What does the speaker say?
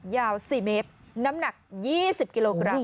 ยาว๔เมตรน้ำหนัก๒๐กิโลกรัม